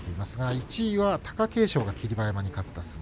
１位は貴景勝が霧馬山に勝った相撲。